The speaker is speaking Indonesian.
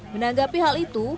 menanggapi hal itu